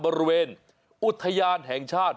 บริเวณอุทยานแห่งชาติ